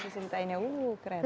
susintainya wuh keren